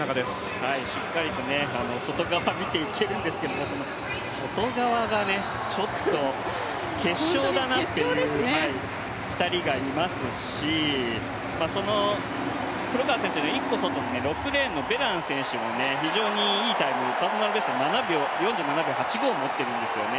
しっかりと外側を見ていけるんですが、外側がね、ちょっと決勝だなっていう２人がいますし黒川選手より１個外の６レーンのベラン選手も非常にいいタイム、パーソナルベスト４７秒８５を持ってるんですよね。